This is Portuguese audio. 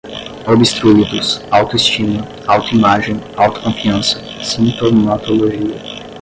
obstruídos, autoestima, autoimagem, autoconfiança, sintomatologia